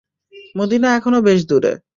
মদীনা এখনও বেশ দূর।